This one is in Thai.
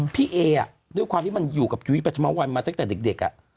พี่เอด้วยความที่มันอยู่กับยุ้ยปรัฐมวัลมาตั้งแต่เด็ก